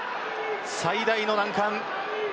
最大の難関。